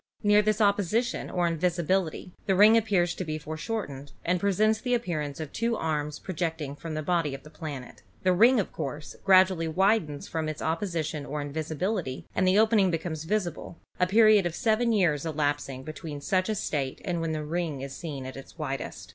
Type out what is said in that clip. Near this opposition or invisibility the ring ap pears to be foreshortened and presents the appearance of two arms projecting from the body of the planet. The ring, of course, gradually widens from its opposition or invisibility and the opening becomes visible, a period of 204 ASTRONOMY seven years e asping between such a state and when the ring is seen at its widest.